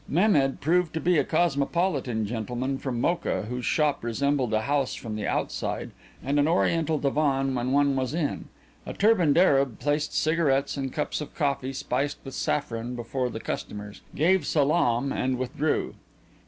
Mehmed proved to be a cosmopolitan gentleman from Mocha whose shop resembled a house from the outside and an Oriental divan when one was within. A turbaned Arab placed cigarettes and cups of coffee spiced with saffron before the customers, gave salaam and withdrew.